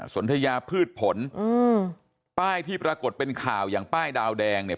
สนทยาพืชผลอืมป้ายที่ปรากฏเป็นข่าวอย่างป้ายดาวแดงเนี่ย